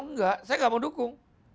oh enggak saya gak mau dukung